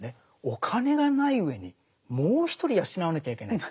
お金がないうえにもう一人養わなきゃいけない。